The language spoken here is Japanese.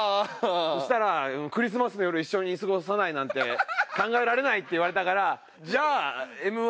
そしたら「クリスマスの夜一緒に過ごさないなんて考えられない」って言われたからじゃあ『Ｍ−１』。